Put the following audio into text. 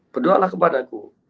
berdoalah kepada aku